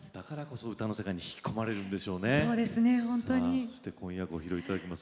さあそして今夜ご披露いただきます